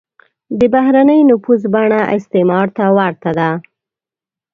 د بهرنی نفوذ بڼه استعمار ته ورته ده.